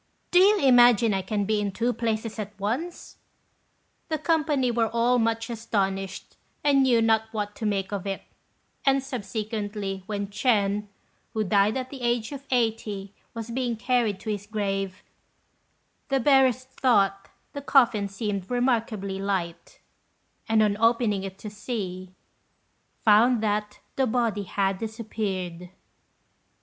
Do you imagine I can be in two places at once?" The company were all much astonished, and knew not what to make of it; and subsequently when Ch'ên, who died at the age of eighty, was being carried to his grave, the bearers thought the coffin seemed remarkably light, and on opening it to see, found that the body had disappeared.